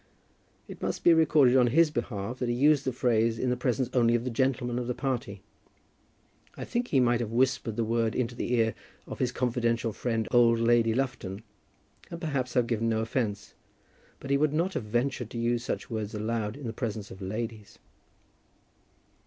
It must be recorded on his behalf that he used the phrase in the presence only of the gentlemen of the party. I think he might have whispered the word into the ear of his confidential friend old Lady Lufton, and perhaps have given no offence; but he would not have ventured to use such words aloud in the presence of ladies.